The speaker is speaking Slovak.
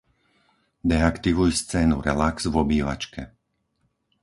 Deaktivuj scénu "relax" v obývačke.